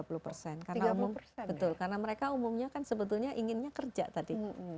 betul karena mereka umumnya kan sebetulnya inginnya kerja tadi